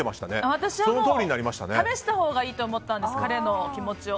私はもう、試したほうがいいと思ったんです、彼の気持ちを。